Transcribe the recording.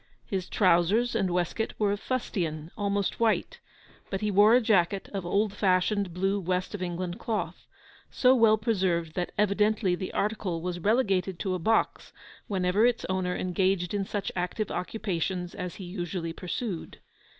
His trousers and waistcoat were of fustian, almost white, but he wore a jacket of old fashioned blue West of England cloth, so well preserved that evidently the article was relegated to a box whenever its owner engaged in such active occupations as he usually pursued.